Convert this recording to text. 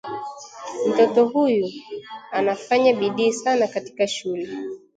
Mtoto huyu anafanya bidii sana katika shule